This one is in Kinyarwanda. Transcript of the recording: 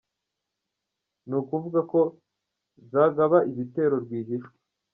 Ni ukuvuga ko zagaba ibitero rwihishwa.